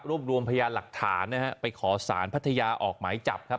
รวมรวมพยานหลักฐานนะฮะไปขอสารพัทยาออกหมายจับครับ